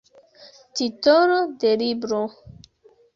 Titolo de libro.